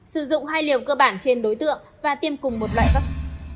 sử dụng hai liều cơ bản trên đối tượng và tiêm cùng một loại vaccine